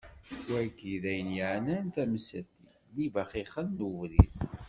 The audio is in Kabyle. Wagi d ayen iεnan tamsalt n yibaxixen n ubrid.